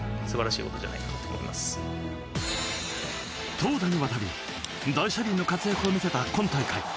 投打にわたり大車輪の活躍を見せた今大会。